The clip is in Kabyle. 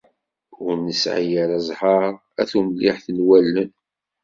Ur nesɛi ara ẓẓher a tumliḥt n wallen.